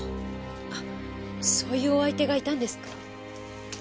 あそういうお相手がいたんですか？